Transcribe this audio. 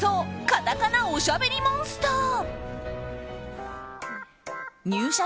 カタカナおしゃべりモンスター。